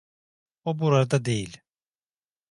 O burada değil.